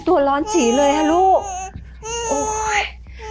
ตัวร้อนฉี่เลยค่ะลูกโอ้ย